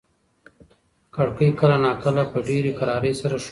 کړکۍ کله ناکله په ډېرې کرارۍ سره ښوري.